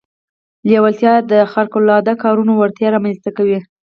لېوالتیا د خارق العاده کارونو وړتيا رامنځته کوي.